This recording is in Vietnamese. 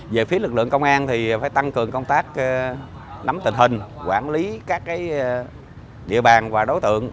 về phía lực lượng công an thì phải tăng cường công tác nắm tình hình quản lý các địa bàn và đối tượng